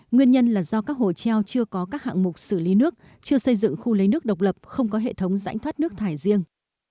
nguyên nhân là do các hồ treo chưa có các hạng mục xử lý nước chưa xây dựng khu lấy nước độc lập không có hệ thống rãnh thoát nước thải riêng